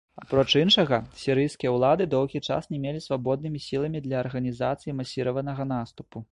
Апроч іншага, сірыйскія ўлады доўгі час не мелі свабоднымі сіламі для арганізацыі масіраванага наступу.